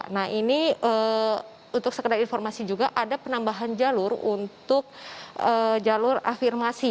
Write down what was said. nah ini untuk sekedar informasi juga ada penambahan jalur untuk jalur afirmasi